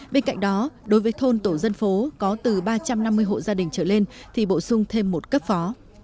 và các gia đình trở lên thì bổ sung thêm một cấp phó